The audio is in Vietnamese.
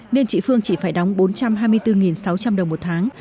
nên chị phương chỉ phải đóng bốn trăm hai mươi bốn sáu trăm linh đồng một tháng